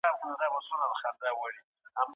هغه پرون په پوره غور سره درس لوسته.